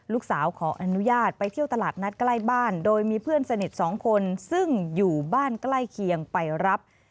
ขออนุญาตไปเที่ยวตลาดนัดใกล้บ้านโดยมีเพื่อนสนิท๒คนซึ่งอยู่บ้านใกล้เคียงไปรับ